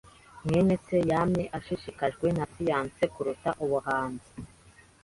mwene se yamye ashishikajwe na siyansi kuruta ubuhanzi.